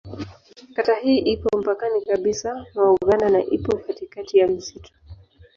Kata hii ipo mpakani kabisa mwa Uganda na ipo katikati ya msitu.